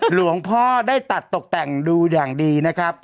หลวงพ่อได้ตัดตกแต่งดูอย่างดีนะครับ